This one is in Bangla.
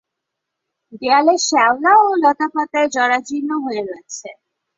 দেয়ালে শ্যাওলা ও লতাপাতায় জরাজীর্ণ হয়ে রয়েছে।